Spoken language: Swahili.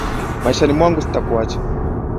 Maishani mwangu sitakuacha.